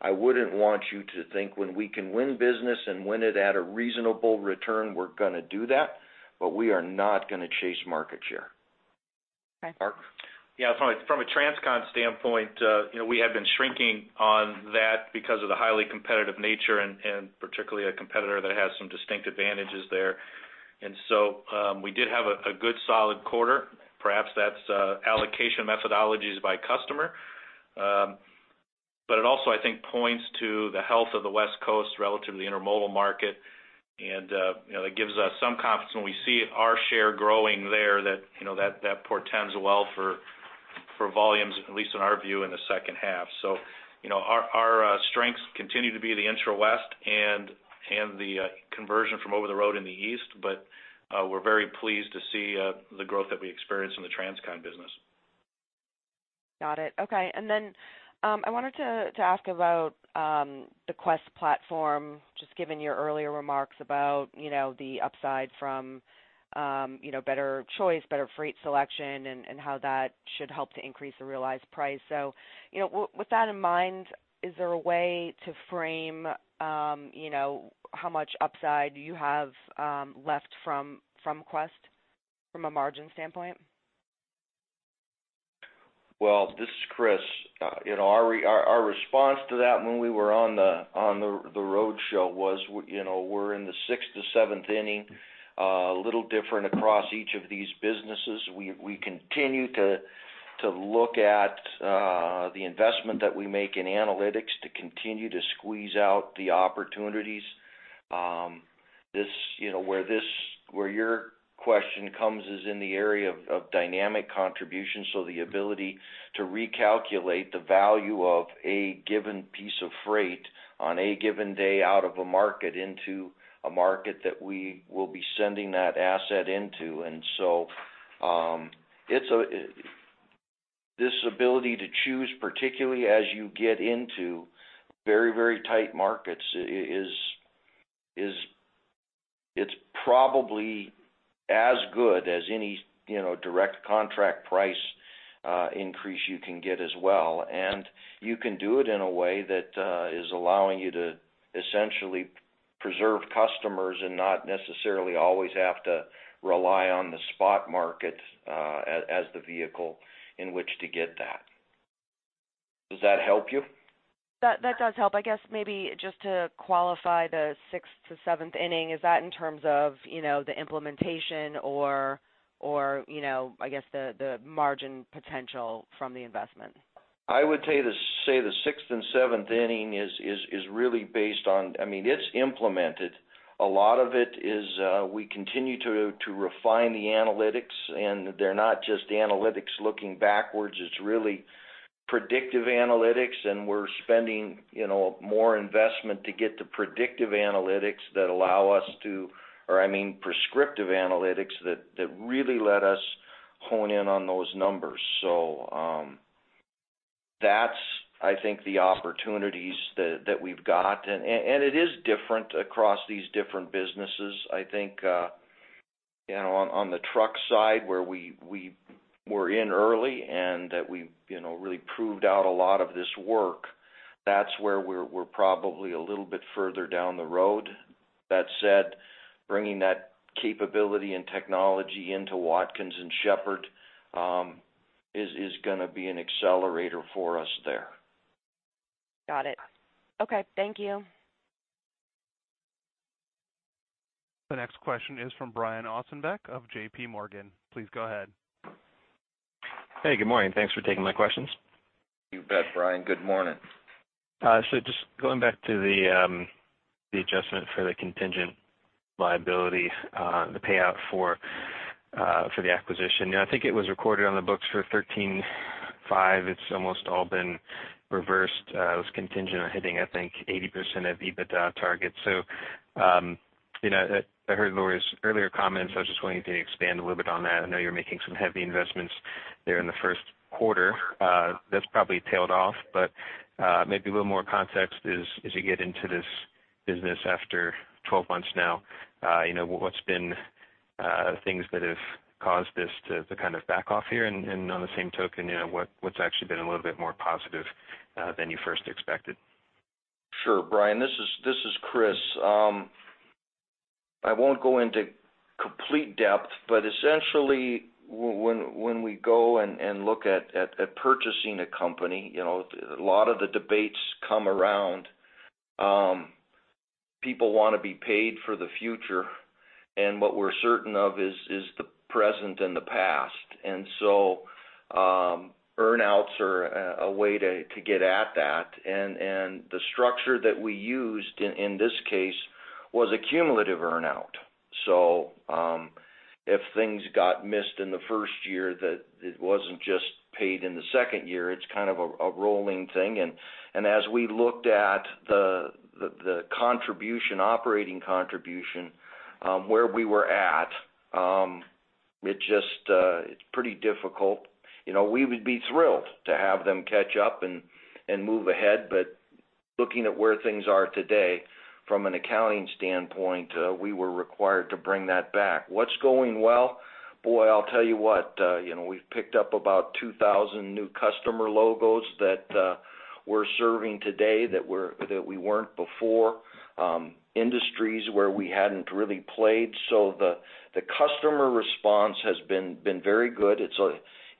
I wouldn't want you to think when we can win business and win it at a reasonable return, we're going to do that. But we are not going to chase market share. Mark? Yeah. From a Transcon standpoint, we have been shrinking on that because of the highly competitive nature and particularly a competitor that has some distinct advantages there. And so we did have a good solid quarter. Perhaps that's allocation methodologies by customer. But it also, I think, points to the health of the West Coast relative to the Intermodal market. And that gives us some confidence when we see our share growing there that portends well for volumes, at least in our view, in the second half. So our strengths continue to be the intra-West and the conversion from over-the-road in the East. But we're very pleased to see the growth that we experience in the Transcon business. Got it. Okay. And then I wanted to ask about the Quest platform, just given your earlier remarks about the upside from better choice, better freight selection, and how that should help to increase the realized price. So with that in mind, is there a way to frame how much upside you have left from Quest from a margin standpoint? Well, this is Chris. Our response to that when we were on the roadshow was we're in the sixth-to-seventh inning, a little different across each of these businesses. We continue to look at the investment that we make in analytics to continue to squeeze out the opportunities. Where your question comes is in the area of dynamic contribution. So the ability to recalculate the value of a given piece of freight on a given day out of a market into a market that we will be sending that asset into. And so this ability to choose, particularly as you get into very, very tight markets, it's probably as good as any direct contract price increase you can get as well. You can do it in a way that is allowing you to essentially preserve customers and not necessarily always have to rely on the spot market as the vehicle in which to get that. Does that help you? That does help. I guess maybe just to qualify the sixth-to-seventh inning, is that in terms of the implementation or, I guess, the margin potential from the investment? I would say the sixth-and-seventh inning is really based on—I mean, it's implemented. A lot of it is we continue to refine the analytics. And they're not just analytics looking backwards. It's really predictive analytics. And we're spending more investment to get the predictive analytics that allow us to—or, I mean, prescriptive analytics that really let us hone in on those numbers. So that's, I think, the opportunities that we've got. And it is different across these different businesses. I think on the truck side, where we were in early and that we really proved out a lot of this work, that's where we're probably a little bit further down the road. That said, bringing that capability and technology into Watkins & Shepard is going to be an accelerator for us there. Got it. Okay. Thank you. The next question is from Brian Ossenbeck of JPMorgan. Please go ahead. Hey. Good morning. Thanks for taking my questions. You bet, Brian. Good morning. So, just going back to the adjustment for the contingent liability, the payout for the acquisition. I think it was recorded on the books for $13.5. It's almost all been reversed. It was contingent on hitting, I think, 80% of EBITDA targets. So, I heard Lori's earlier comments. I was just wanting you to expand a little bit on that. I know you're making some heavy investments there in the Q1. That's probably tailed off. But maybe a little more context as you get into this business after 12 months now. What's been things that have caused this to kind of back off here? And on the same token, what's actually been a little bit more positive than you first expected? Sure, Brian. This is Chris. I won't go into complete depth. But essentially, when we go and look at purchasing a company, a lot of the debates come around. People want to be paid for the future. And what we're certain of is the present and the past. And so earnouts are a way to get at that. And the structure that we used in this case was accumulative earnout. So if things got missed in the first year, it wasn't just paid in the second year. It's kind of a rolling thing. And as we looked at the operating contribution, where we were at, it's pretty difficult. We would be thrilled to have them catch up and move ahead. But looking at where things are today, from an accounting standpoint, we were required to bring that back. What's going well? Boy, I'll tell you what. We've picked up about 2,000 new customer logos that we're serving today that we weren't before, industries where we hadn't really played. So the customer response has been very good.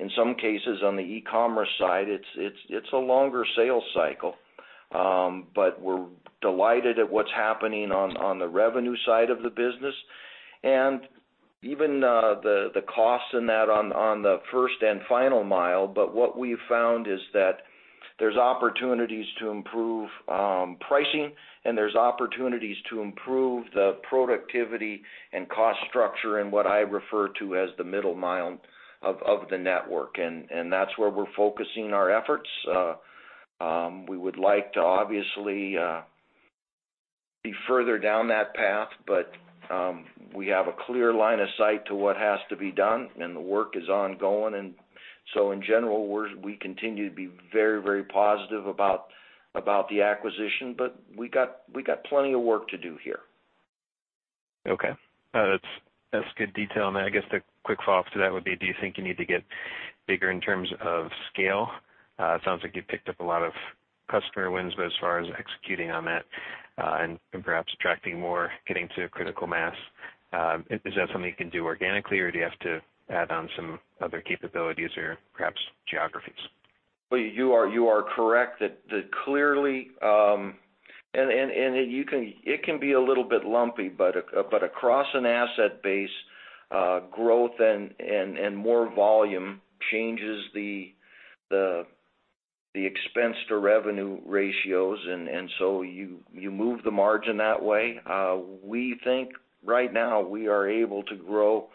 In some cases, on the e-commerce side, it's a longer sales cycle. But we're delighted at what's happening on the revenue side of the business and even the costs in that on the first and final mile. But what we've found is that there's opportunities to improve pricing, and there's opportunities to improve the productivity and cost structure in what I refer to as the middle mile of the network. And that's where we're focusing our efforts. We would like to, obviously, be further down that path. But we have a clear line of sight to what has to be done. And the work is ongoing. And so in general, we continue to be very, very positive about the acquisition. We got plenty of work to do here. Okay. That's good detail. And I guess the quick follow-up to that would be, do you think you need to get bigger in terms of scale? It sounds like you've picked up a lot of customer wins, but as far as executing on that and perhaps attracting more, getting to a critical mass, is that something you can do organically, or do you have to add on some other capabilities or perhaps geographies? Well, you are correct that clearly and it can be a little bit lumpy. But across an asset base, growth and more volume changes the expense-to-revenue ratios. And so you move the margin that way. We think right now we are able to grow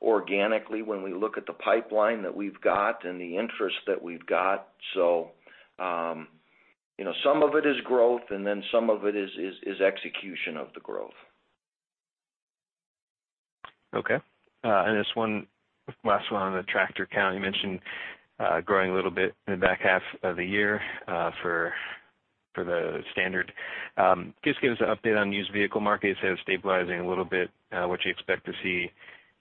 organically when we look at the pipeline that we've got and the interest that we've got. So some of it is growth, and then some of it is execution of the growth. Okay. And this one last one on the tractor count, you mentioned growing a little bit in the back half of the year for the standard. Just give us an update on the used vehicle market. You said it was stabilizing a little bit. What do you expect to see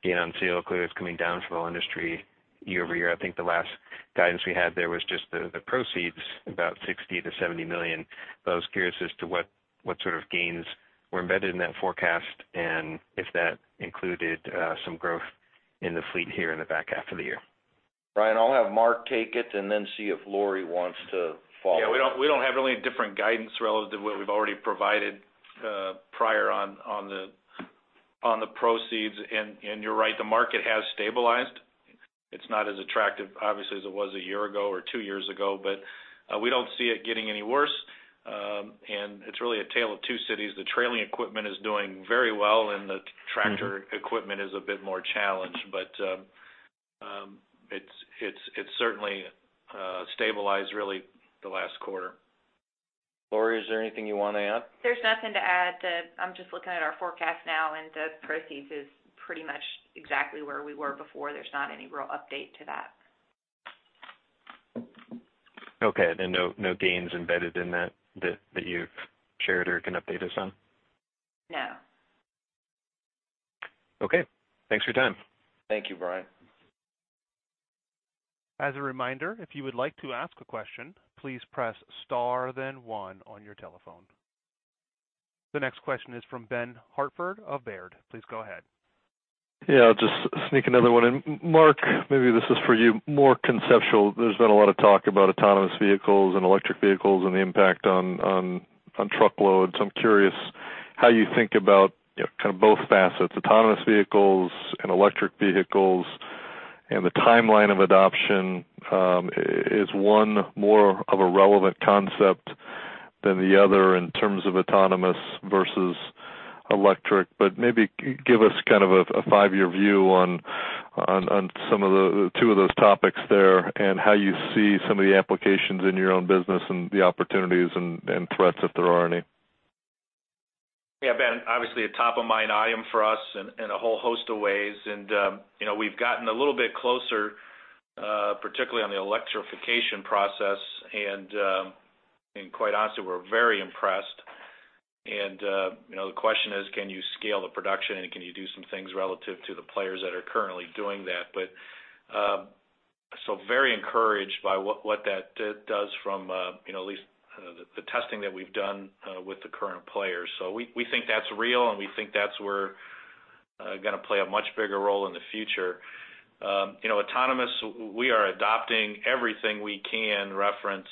gain on sale? Clearly, it's coming down for the whole industry year over year. I think the last guidance we had there was just the proceeds, about $60 million-$70 million. But I was curious as to what sort of gains were embedded in that forecast and if that included some growth in the fleet here in the back half of the year. Brian, I'll have Mark take it and then see if Lori wants to follow. Yeah. We don't have any different guidance relative to what we've already provided prior on the proceeds. And you're right. The market has stabilized. It's not as attractive, obviously, as it was a year ago or two years ago. But we don't see it getting any worse. And it's really a tale of two cities. The trailer equipment is doing very well, and the tractor equipment is a bit more challenged. But it's certainly stabilized, really, the last quarter. Lori, is there anything you want to add? There's nothing to add. I'm just looking at our forecast now, and the proceeds is pretty much exactly where we were before. There's not any real update to that. Okay. And no gains embedded in that that you've shared or can update us on? No. Okay. Thanks for your time. Thank you, Brian. As a reminder, if you would like to ask a question, please press star, then one on your telephone. The next question is from Ben Hartford of Baird. Please go ahead. Yeah. I'll just sneak another one. And Mark, maybe this is for you, more conceptual. There's been a lot of talk about autonomous vehicles and electric vehicles and the impact on truckloads. I'm curious how you think about kind of both facets, autonomous vehicles and electric vehicles, and the timeline of adoption. Is one more of a relevant concept than the other in terms of autonomous versus electric? But maybe give us kind of a five-year view on two of those topics there and how you see some of the applications in your own business and the opportunities and threats, if there are any. Yeah. Ben, obviously, a top-of-mind item for us in a whole host of ways. We've gotten a little bit closer, particularly on the electrification process. Quite honestly, we're very impressed. The question is, can you scale the production? Can you do some things relative to the players that are currently doing that? Very encouraged by what that does from at least the testing that we've done with the current players. We think that's real, and we think that's where it's going to play a much bigger role in the future. Autonomous, we are adopting everything we can reference,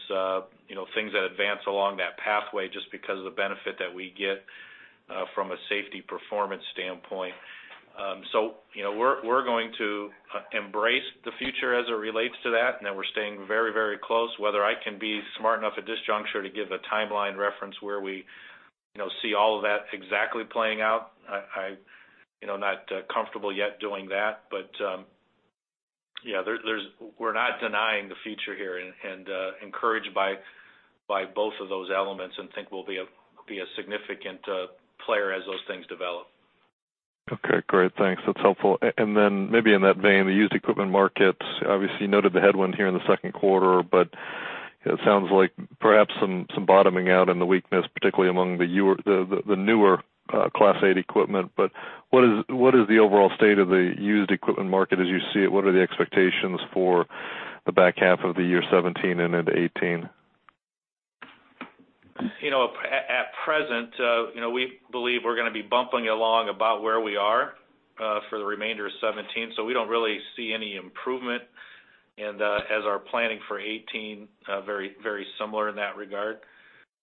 things that advance along that pathway just because of the benefit that we get from a safety performance standpoint. We're going to embrace the future as it relates to that. Then we're staying very, very close. Whether I can be smart enough at this juncture to give a timeline reference where we see all of that exactly playing out, I'm not comfortable yet doing that. But yeah, we're not denying the future here and encouraged by both of those elements and think we'll be a significant player as those things develop. Okay. Great. Thanks. That's helpful. And then maybe in that vein, the used equipment markets, obviously, you noted the headwind here in the Q2. But it sounds like perhaps some bottoming out and the weakness, particularly among the newer Class 8 equipment. But what is the overall state of the used equipment market as you see it? What are the expectations for the back half of the year 2017 and into 2018? At present, we believe we're going to be bumping along about where we are for the remainder of 2017. We don't really see any improvement. As our planning for 2018, very, very similar in that regard.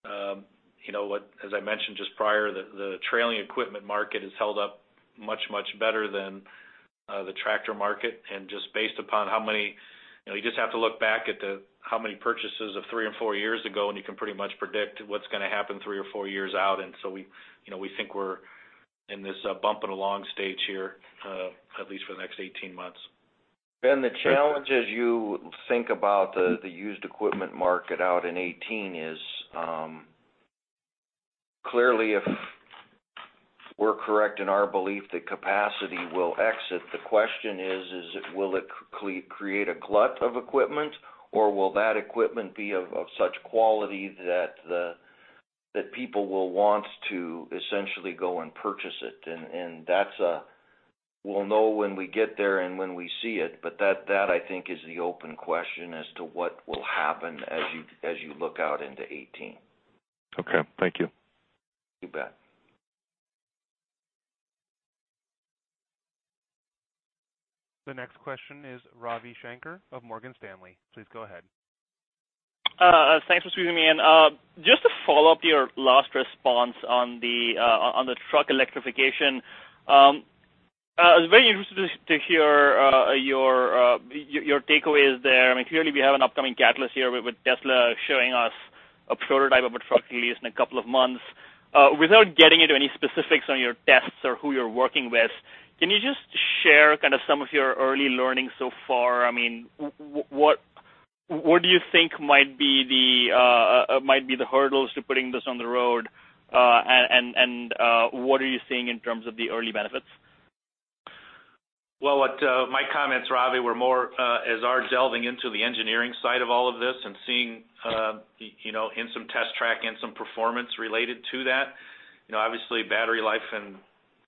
As I mentioned just prior, the used equipment market has held up much, much better than the tractor market. Just based upon how many you just have to look back at how many purchases of 3 and 4 years ago, and you can pretty much predict what's going to happen 3 or 4 years out. We think we're in this bumping-along stage here, at least for the next 18 months. Ben, the challenges you think about the used equipment market out in 2018 is clearly, if we're correct in our belief that capacity will exit, the question is, will it create a glut of equipment? Or will that equipment be of such quality that people will want to essentially go and purchase it? And we'll know when we get there and when we see it. But that, I think, is the open question as to what will happen as you look out into 2018. Okay. Thank you. You bet. The next question is Ravi Shanker of Morgan Stanley. Please go ahead. Thanks for speaking to me, Ian. Just to follow up your last response on the truck electrification, I was very interested to hear your takeaways there. I mean, clearly, we have an upcoming catalyst here with Tesla showing us a prototype of a truck at least in a couple of months. Without getting into any specifics on your tests or who you're working with, can you just share kind of some of your early learnings so far? I mean, what do you think might be the hurdles to putting this on the road? And what are you seeing in terms of the early benefits? Well, my comments, Ravi, were more as our delving into the engineering side of all of this and seeing in some test track and some performance related to that. Obviously, battery life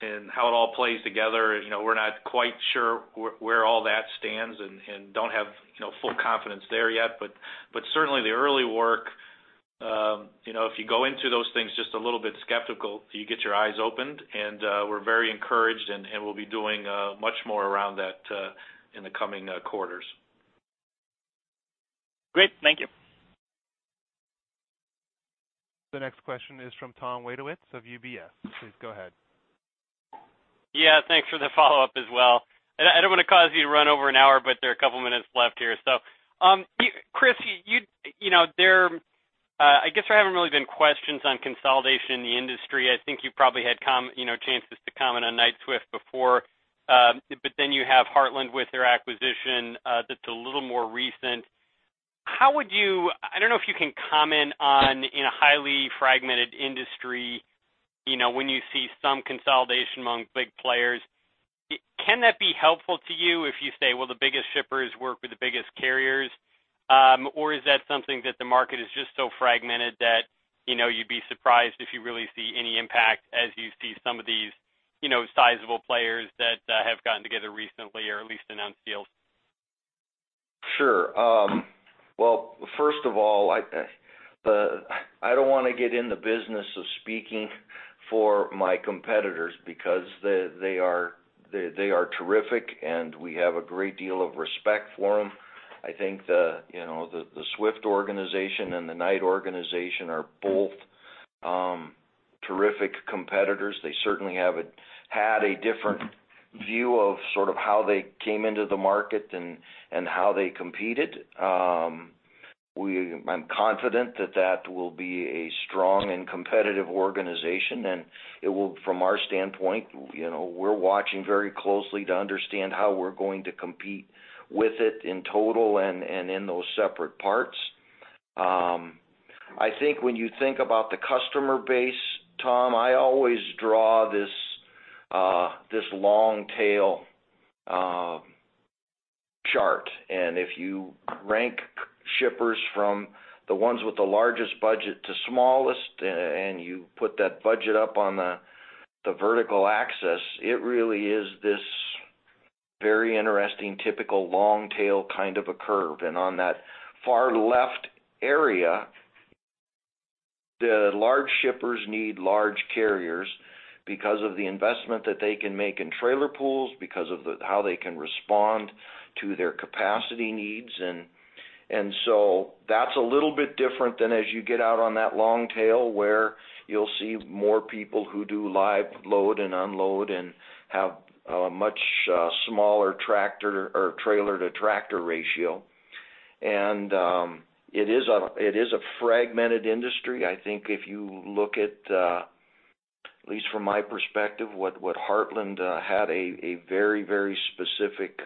and how it all plays together, we're not quite sure where all that stands and don't have full confidence there yet. But certainly, the early work, if you go into those things just a little bit skeptical, you get your eyes opened. And we're very encouraged, and we'll be doing much more around that in the coming quarters. Great. Thank you. The next question is from Tom Wadowitz of UBS. Please go ahead. Yeah. Thanks for the follow-up as well. I don't want to cause you to run over an hour, but there are a couple of minutes left here. So Chris, I guess there haven't really been questions on consolidation in the industry. I think you probably had chances to comment on Knight-Swift before. But then you have Heartland with their acquisition that's a little more recent. I don't know if you can comment on, in a highly fragmented industry, when you see some consolidation among big players, can that be helpful to you if you say, "Well, the biggest shippers work with the biggest carriers"? Or is that something that the market is just so fragmented that you'd be surprised if you really see any impact as you see some of these sizable players that have gotten together recently or at least announced deals? Sure. Well, first of all, I don't want to get in the business of speaking for my competitors because they are terrific, and we have a great deal of respect for them. I think the Swift organization and the Knight organization are both terrific competitors. They certainly have had a different view of sort of how they came into the market and how they competed. I'm confident that that will be a strong and competitive organization. And from our standpoint, we're watching very closely to understand how we're going to compete with it in total and in those separate parts. I think when you think about the customer base, Tom, I always draw this long-tail chart. And if you rank shippers from the ones with the largest budget to smallest, and you put that budget up on the vertical axis, it really is this very interesting typical long-tail kind of a curve. And on that far left area, the large shippers need large carriers because of the investment that they can make in trailer pools, because of how they can respond to their capacity needs. And so that's a little bit different than as you get out on that long-tail where you'll see more people who do live load and unload and have a much smaller trailer-to-tractor ratio. And it is a fragmented industry. I think if you look at, at least from my perspective, what Heartland had a very, very specific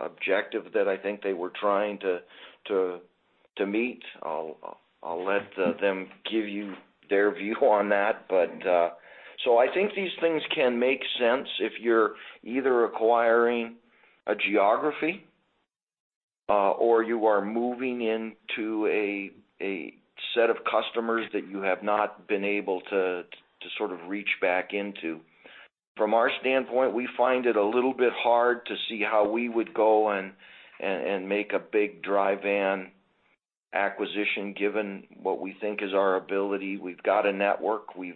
objective that I think they were trying to meet, I'll let them give you their view on that. So I think these things can make sense if you're either acquiring a geography or you are moving into a set of customers that you have not been able to sort of reach back into. From our standpoint, we find it a little bit hard to see how we would go and make a big dry van acquisition given what we think is our ability. We've got a network. We've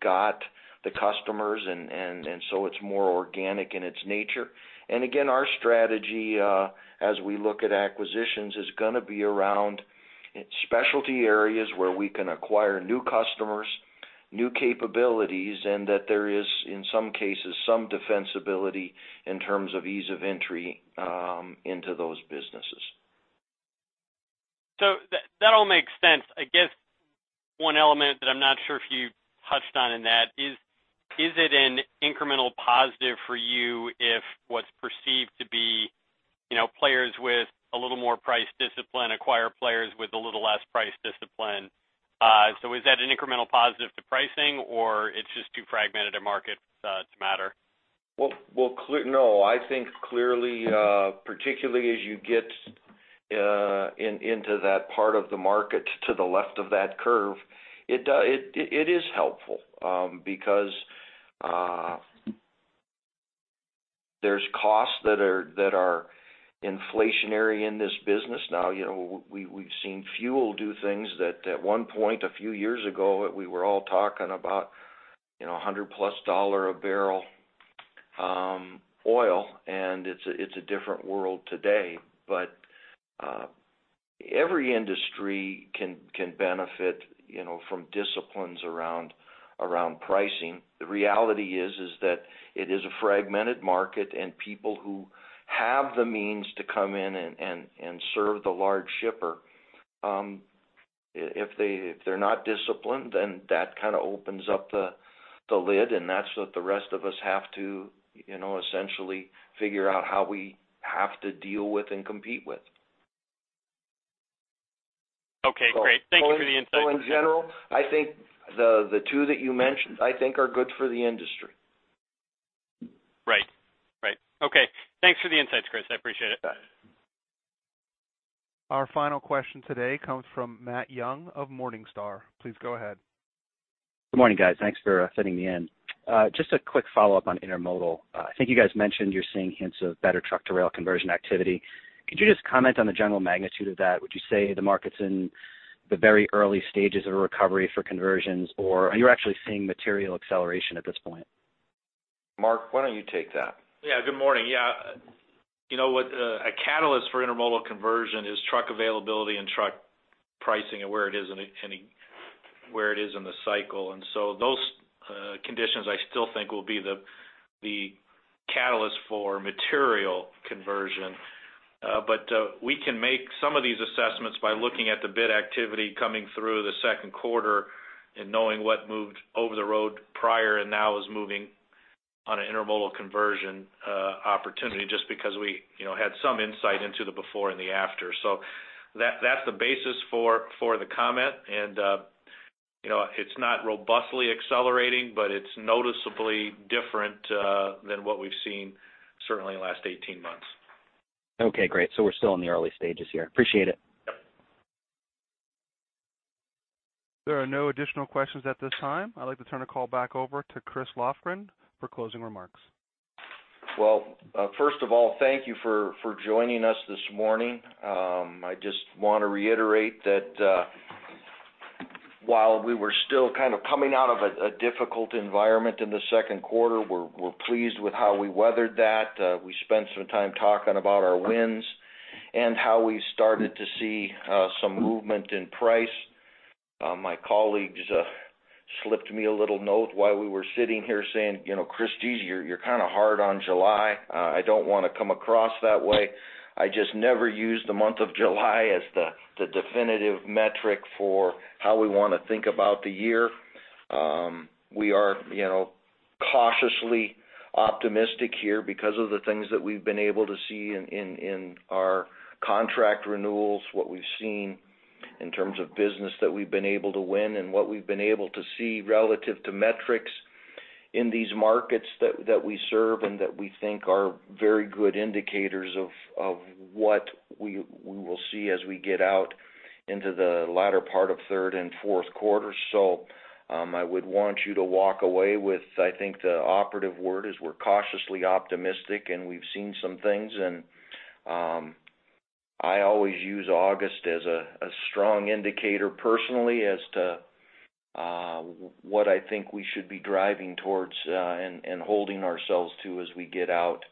got the customers. And so it's more organic in its nature. And again, our strategy, as we look at acquisitions, is going to be around specialty areas where we can acquire new customers, new capabilities, and that there is, in some cases, some defensibility in terms of ease of entry into those businesses. So that all makes sense. I guess one element that I'm not sure if you touched on in that is, is it an incremental positive for you if what's perceived to be players with a little more price discipline acquire players with a little less price discipline? So is that an incremental positive to pricing, or it's just too fragmented a market to matter? Well, no. I think clearly, particularly as you get into that part of the market to the left of that curve, it is helpful because there's costs that are inflationary in this business. Now, we've seen fuel do things that at one point, a few years ago, we were all talking about $100+ a barrel oil. And it's a different world today. But every industry can benefit from disciplines around pricing. The reality is that it is a fragmented market, and people who have the means to come in and serve the large shipper, if they're not disciplined, then that kind of opens up the lid. And that's what the rest of us have to essentially figure out how we have to deal with and compete with. Okay. Great. Thank you for the insights. In general, I think the two that you mentioned, I think, are good for the industry. Right. Right. Okay. Thanks for the insights, Chris. I appreciate it. Our final question today comes from Matt Young of Morningstar. Please go ahead. Good morning, guys. Thanks for fitting me in. Just a quick follow-up on Intermodal. I think you guys mentioned you're seeing hints of better truck-to-rail conversion activity. Could you just comment on the general magnitude of that? Would you say the market's in the very early stages of a recovery for conversions, or are you actually seeing material acceleration at this point? Mark, why don't you take that? Yeah. Good morning. Yeah. A catalyst for Intermodal conversion is truck availability and truck pricing and where it is in the cycle. And so those conditions, I still think, will be the catalyst for material conversion. But we can make some of these assessments by looking at the bid activity coming through the Q2 and knowing what moved over-the-road prior and now is moving on an Intermodal conversion opportunity just because we had some insight into the before and the after. So that's the basis for the comment. And it's not robustly accelerating, but it's noticeably different than what we've seen, certainly, in the last 18 months. Okay. Great. So we're still in the early stages here. Appreciate it. Yep. There are no additional questions at this time. I'd like to turn the call back over to Chris Lofgren for closing remarks. Well, first of all, thank you for joining us this morning. I just want to reiterate that while we were still kind of coming out of a difficult environment in the Q2, we're pleased with how we weathered that. We spent some time talking about our wins and how we started to see some movement in price. My colleagues slipped me a little note while we were sitting here saying, "Christyne, you're kind of hard on July. I don't want to come across that way." I just never use the month of July as the definitive metric for how we want to think about the year. We are cautiously optimistic here because of the things that we've been able to see in our contract renewals, what we've seen in terms of business that we've been able to win, and what we've been able to see relative to metrics in these markets that we serve and that we think are very good indicators of what we will see as we get out into the latter part of third and Q4s. So I would want you to walk away with, I think, the operative word is we're cautiously optimistic, and we've seen some things. And I always use August as a strong indicator, personally, as to what I think we should be driving towards and holding ourselves to as we get out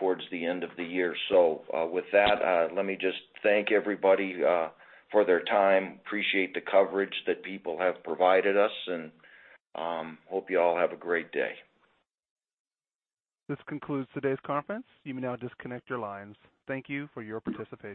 towards the end of the year. So with that, let me just thank everybody for their time. Appreciate the coverage that people have provided us. Hope you all have a great day. This concludes today's conference. You may now disconnect your lines. Thank you for your participation.